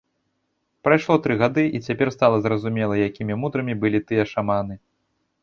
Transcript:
Прайшло тры гады, і цяпер стала зразумела, якімі мудрымі былі тыя шаманы.